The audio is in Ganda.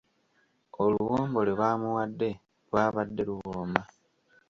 Oluwombo lwe baamuwadde lwabadde luwooma.